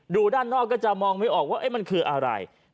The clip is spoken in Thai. ด้านนอกก็จะมองไม่ออกว่ามันคืออะไร